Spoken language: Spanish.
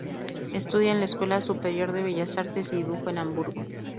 Estudia en la Escuela Superior de Bellas Artes y Dibujo de Hamburgo.